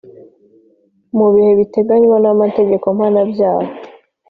mu bihe biteganywa n amategeko mpana byaha.